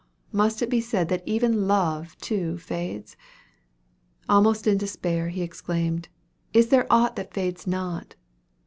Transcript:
must it be said that even love, too, fades? Almost in despair, he exclaimed, "Is there aught that fades not?"